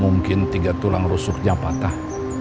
mungkin tiga tulang rusuknya patah